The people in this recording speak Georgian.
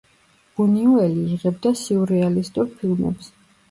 ბუნიუელი იღებდა სიურრეალისტურ ფილმებს.